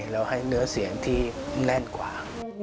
แล้วให้เนื้อเสียงที่แน่นกว่า